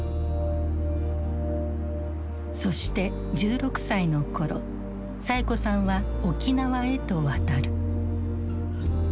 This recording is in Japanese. そして１６歳の頃サエ子さんは沖縄へと渡る。